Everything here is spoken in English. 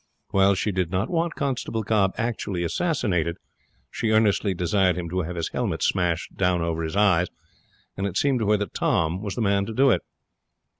While she did not want Constable Cobb actually assassinated, she earnestly desired him to have his helmet smashed down over his eyes; and it seemed to her that Tom was the man to do it.